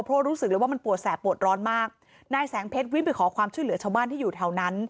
เพราะรู้สึกเลยว่ามันปวดแสบปวดร้อนมากนายแสงเพชรวิ่งไปขอความช่วยเหลือชาวบ้านที่อยู่แถวนั้น